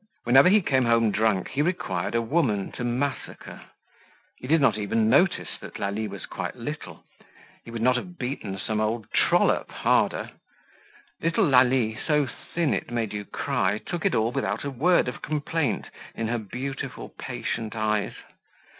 Whenever he came home drunk, he required a woman to massacre. He did not even notice that Lalie was quite little; he would not have beaten some old trollop harder. Little Lalie, so thin it made you cry, took it all without a word of complaint in her beautiful, patient eyes.